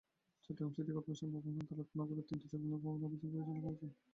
Chittagong city করপোরেশনের ভ্রাম্যমাণ আদালত নগরের তিনটি ঝুঁকিপূর্ণ ভবনে অভিযান পরিচালনা করেছেন।